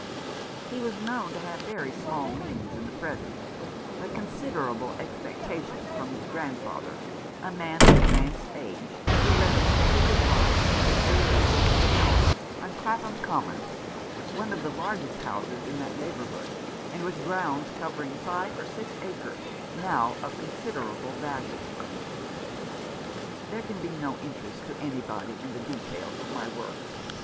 He was known to have very small means in the present, but considerable expectations from his grandfather — a man of advanced age, who led a secluded life in a dreary looking house on Clapham Common, one of the largest houses in that neighbourhood, and with grounds covering five or six acres, now of considerable value. There can be no interest to anybody in the details of my work.